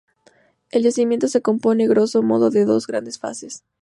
El yacimiento se compone grosso modo de dos grandes fases.